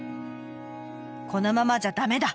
このままじゃ駄目だ！